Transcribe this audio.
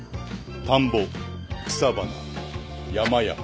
田んぼ草花山々。